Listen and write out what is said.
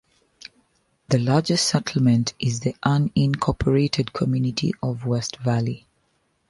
The largest settlement is the unincorporated community of West Valley.